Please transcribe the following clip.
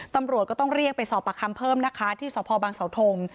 ตำรวจก็ต้องเรียกไปสอบประคำเพิ่มนะคะที่สพบังเสาทง